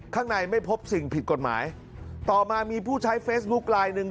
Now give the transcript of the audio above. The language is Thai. ข้างในไม่พบสิ่งผิดกฎหมายต่อมามีผู้ใช้เฟซบุ๊คไลน์หนึ่ง